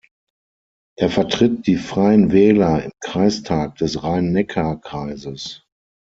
Er vertritt die Freien Wähler im Kreistag des Rhein-Neckar-Kreises.